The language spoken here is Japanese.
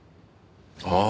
ああ